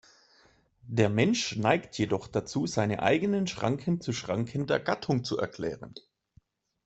Der Mensch neigt jedoch dazu, seine eigenen Schranken zu Schranken der Gattung zu erklären.